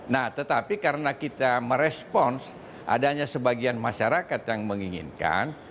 nah tetapi karena kita merespons adanya sebagian masyarakat yang menginginkan